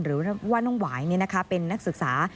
หรือว่าน้องหวายเป็นนักศึกษา